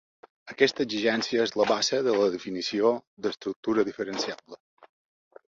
Aquesta exigència és la base de la definició d'estructura diferenciable.